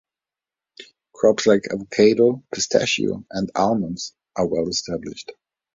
Crops like avocado, pistachio and almonds are well established.